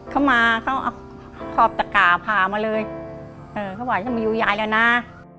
เขามาเขาเอาขอบตะกาผ่ามาเลยเออเขาบอกจะมาอยู่ยายแล้วนะ